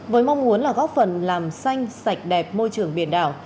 với mong muốn là góp phần làm xanh sạch đẹp môi trường biển đảo